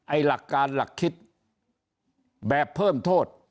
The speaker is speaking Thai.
หลักการหลักคิดแบบเพิ่มโทษ